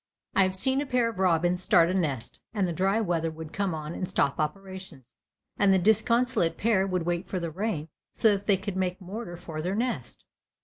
I have seen a pair of robins start a nest, and the dry weather would come on and stop operations, and the disconsolate pair would wait for the rain so that they could make mortar for their nest.